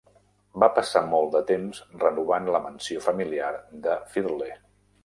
Va passar molt de temps renovant la mansió familiar de Firle.